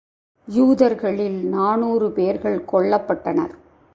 யூதர்களில் நானூறு பேர்கள் கொல்லப்பட்டனர்.